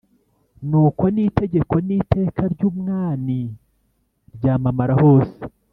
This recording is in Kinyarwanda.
nukon itegeko niteka ryumwani ryamamara hose